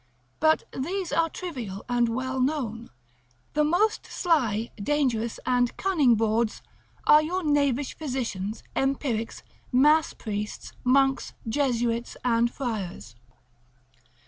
But these are trivial and well known. The most sly, dangerous, and cunning bawds, are your knavish physicians, empirics, mass priests, monks, Jesuits, and friars.